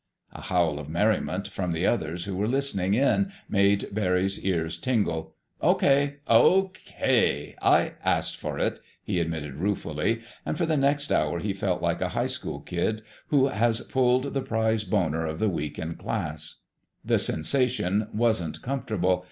A howl of merriment from the others who were listening in made Barry's ears tingle. "Okay, okay, I asked for it!" he admitted ruefully; and for the next hour he felt like a high school kid who has pulled the prize "boner" of the week in class. The sensation wasn't comfortable.